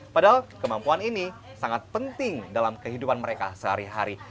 padahal kemampuan ini sangat penting dalam kehidupan mereka sehari hari